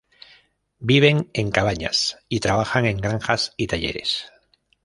Viven en cabañas y trabajan en granjas y talleres.